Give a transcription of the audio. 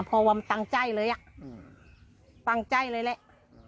ความตั้งใจเลยอ่ะตั้งใจเลยแหละ